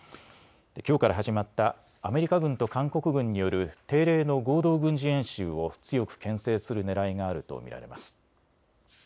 きょうから始まったアメリカ軍と韓国軍による定例の合同軍事演習を強くけん制するねらいがあると見られます。